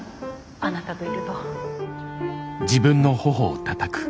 あなたといると。